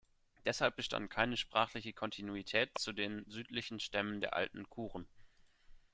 Deshalb bestand keine sprachliche Kontinuität zu den südlichen Stämmen der alten Kuren.